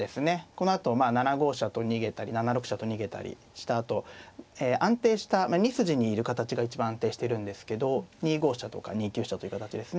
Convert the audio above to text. このあと７五飛車と逃げたり７六飛車と逃げたりしたあと安定した２筋にいる形が一番安定してるんですけど２五飛車とか２九飛車という形ですね。